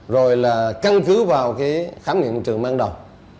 rồi là căn cứ vào khám nghiệm hình trường mang đầu